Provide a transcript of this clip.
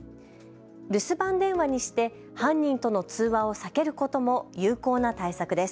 留守番電話にして犯人との通話を避けることも有効な対策です。